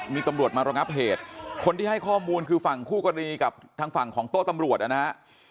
มีตำรวจมาระงับเหตุคนที่ให้ข้อมูลคือฝั่งคู่กรณีกับทางฝั่งของโต๊ะตำรวจนะฮะ